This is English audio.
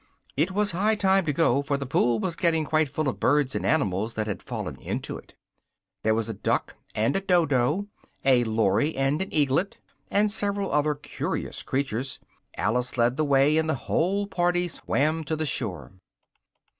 It was high time to go, for the pool was getting quite full of birds and animals that had fallen into it. There was a Duck and a Dodo, a Lory and an Eaglet, and several other curious creatures. Alice led the way, and the whole party swam to the shore.